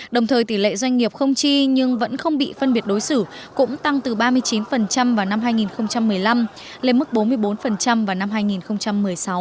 đồng thời tỷ lệ doanh nghiệp không chi nhưng vẫn không bị phân biệt đối xử cũng tăng từ ba mươi chín vào năm hai nghìn một mươi năm lên mức bốn mươi bốn vào năm hai nghìn một mươi sáu